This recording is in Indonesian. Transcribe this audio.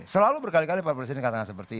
selalu berkali kali pak presiden katakan seperti itu